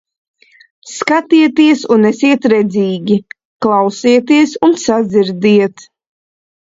Skatieties un esiet redzīgi, klausieties un sadzirdiet!